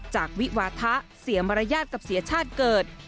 วิวาทะเสียมารยาทกับเสียชาติเกิด